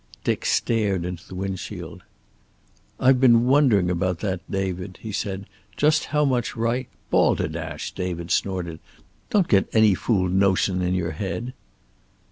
Dick stared into the windshield. "I've been wondering about that, David," he said, "just how much right " "Balderdash!" David snorted. "Don't get any fool notion in your head."